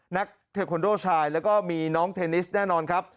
เทคอนโดชายแล้วก็มีน้องเทนนิสแน่นอนครับ